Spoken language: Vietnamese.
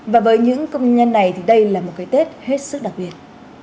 và với những công nhân này thì đây là một cái tết hết sức đặc biệt